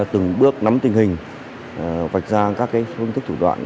từng bước nắm tình hình vạch ra các phương thức thủ đoạn